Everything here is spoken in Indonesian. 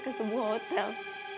ke sebuah hotel